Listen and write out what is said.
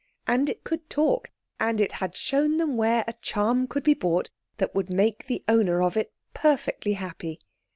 And it could talk—and it had shown them where a charm could be bought that would make the owner of it perfectly happy.